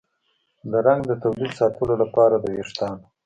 د رنګ د تولید ساتلو لپاره د ویښتانو